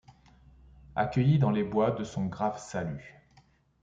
Accueilli dans les bois de son grave salut ;